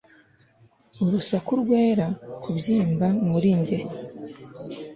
urusaku rwera kubyimba muri njye